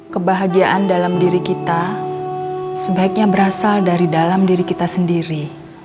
kebahagiaan dalam diri kita sebaiknya berasal dari dalam diri kita sendiri